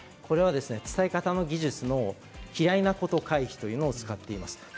伝え方の技術の嫌いなこと回避というのを使っています。